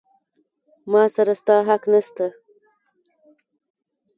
ما سره ستا حق نسته.